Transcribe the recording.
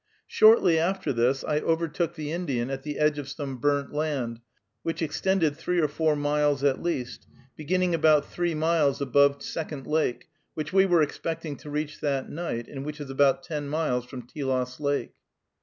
Shortly after this I overtook the Indian at the edge of some burnt land, which extended three or four miles at least, beginning about three miles above Second Lake, which we were expecting to reach that night, and which is about ten miles from Telos Lake.